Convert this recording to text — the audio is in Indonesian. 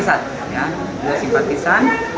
ada dua simpatisan